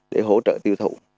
để hỗ trợ tiêu thụ